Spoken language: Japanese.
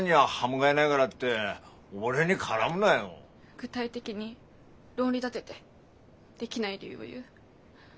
具体的に論理立ててできない理由を言う。